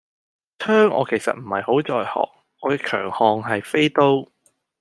槍其實我唔係好在行，我嘅強項係飛刀